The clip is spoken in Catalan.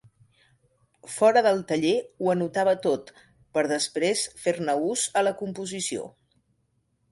Fora del taller ho anotava tot per després fer-ne ús a la composició.